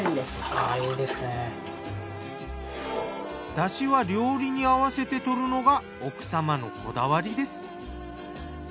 だしは料理に合わせてとるのが奥様のこだわりです。